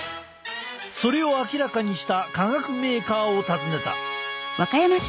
それを明らかにした化学メーカーを訪ねた。